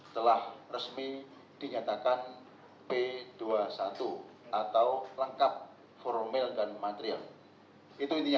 telah resmi dinyatakan p dua puluh satu atau lengkap formil dan material itu intinya